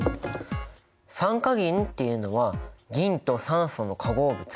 酸化銀っていうのは銀と酸素の化合物。